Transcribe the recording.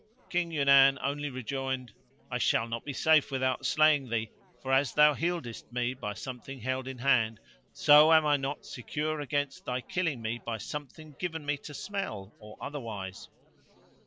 King Yunan only rejoined, "I shall not be safe without slaying thee; for, as thou healedst me by something held in hand, so am I not secure against thy killing me by something given me to smell or otherwise."